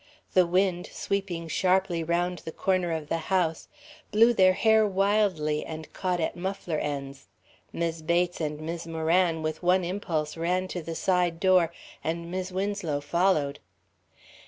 The wind, sweeping sharply round the corner of the house, blew their hair wildly and caught at muffler ends. Mis' Bates and Mis' Moran, with one impulse, ran to the side door, and Mis' Winslow followed.